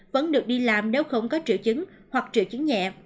vẫn được đi làm nếu không có triệu chứng hoặc triệu chứng nhẹ